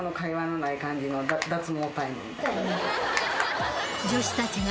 脱毛タイムみたいな。